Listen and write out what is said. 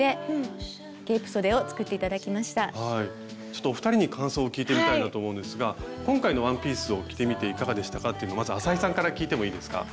ちょっとお二人に感想を聞いてみたいなと思うんですが今回のワンピースを着てみていかがでしたかっていうのまず浅井さんから聞いてもいいですか？